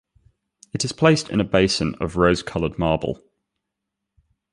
It is placed in a basin of rose-colored marble.